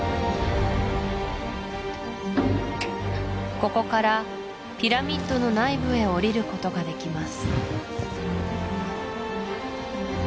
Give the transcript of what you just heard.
ここからピラミッドの内部へおりることができます